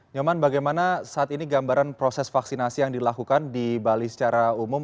nyoman bagaimana saat ini gambaran proses vaksinasi yang dilakukan di bali secara umum